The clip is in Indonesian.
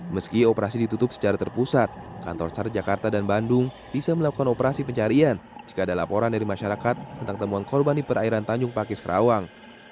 meski operasi ditutup secara terpusat kantor sar jakarta dan bandung bisa melakukan operasi pencarian jika ada laporan dari masyarakat tentang temuan korban di perairan tanjung pakis kerawang